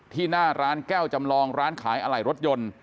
หน้าร้านแก้วจำลองร้านขายอะไหล่รถยนต์